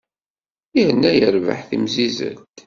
Yerna yerbeḥ timzizzelt.